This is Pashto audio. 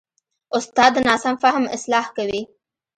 استاد د ناسم فهم اصلاح کوي.